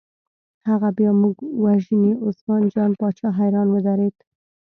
هغه بیا موږ وژني، عثمان جان باچا حیران ودرېد.